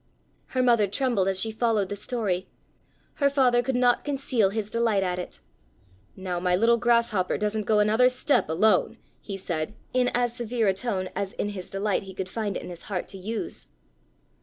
Her mother trembled as she followed the story. Her father could not conceal his delight at it. "Now my little Grasshopper doesn't go another step alone," he said in as severe a tone as in his delight he could find it in his heart to use.